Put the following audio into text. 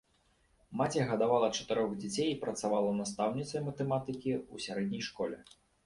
Маці гадавала чатырох дзяцей і працавала настаўніцай матэматыкі ў сярэдняй школе.